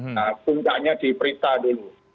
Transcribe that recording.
nah puncaknya diperintah dulu